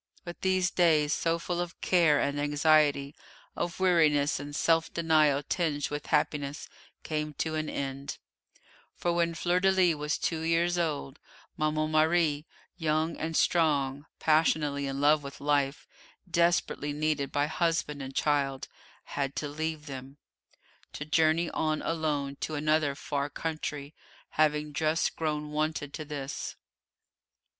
But these days, so full of care and anxiety, of weariness and self denial tinged with happiness, came to an end; for when Fleur de lis was two years old, Maman Marie, young and strong, passionately in love with life, desperately needed by husband and child, had to leave them, to journey on alone to another far country, having just grown wonted to this.